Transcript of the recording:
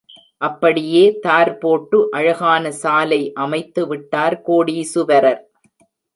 அப்படியே தார் போட்டு அழகான சாலை அமைத்து விட்டார் கோடீசுவரர்.